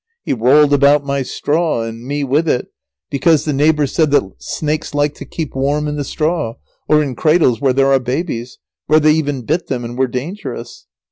He rolled about my straw, and me with it, because the neighbours said that snakes liked to keep warm in the straw, or in cradles where there are babies, where they even bit them and were dangerous.